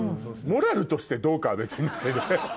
モラルとしてどうかは別にしてね。